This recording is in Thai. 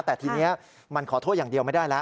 แต่ทีนี้มันขอโทษอย่างเดียวไม่ได้แล้ว